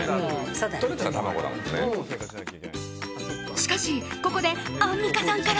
しかし、ここでアンミカさんから。